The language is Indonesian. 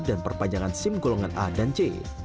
dan perpanjangan sim golongan a dan c